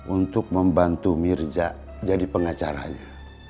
untuk membantu mirja jadi pengacaranya